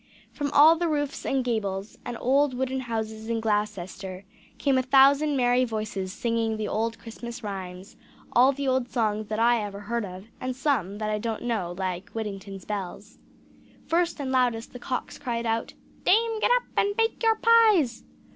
From all the roofs and gables and old wooden houses in Gloucester came a thousand merry voices singing the old Christmas rhymes all the old songs that ever I heard of, and some that I don't know, like Whittington's bells. First and loudest the cocks cried out: "Dame, get up, and bake your pies!"